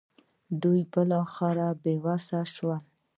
دوی به بالاخره بې وسه شول.